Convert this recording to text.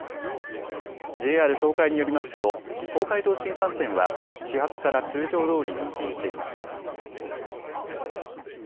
ＪＲ東海によりますと東海道新幹線は始発から通常どおり運転しています。